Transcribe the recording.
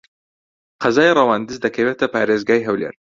قەزای ڕەواندز دەکەوێتە پارێزگای هەولێر.